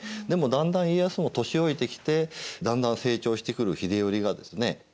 でもだんだん家康も年老いてきてだんだん成長してくる秀頼がですね